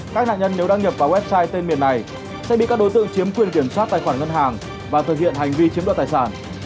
các nạn nhân nếu đăng nhập vào website tên miền này sẽ bị các đối tượng chiếm quyền kiểm soát tài khoản ngân hàng và thực hiện hành vi chiếm đoạt tài sản